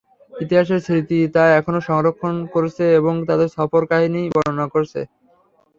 ইতিহাসের স্মৃতি তা এখনো সংরক্ষণ করছে এবং তাঁর সফরের কাহিনী বর্ণনা করছে।